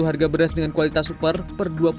harga beras dengan kualitas super per dua puluh